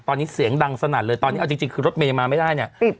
ตอนนี้เสียงดังสนั่นเลยตอนนี้เอาจริงคือรถเมย์ยังมาไม่ได้เนี่ย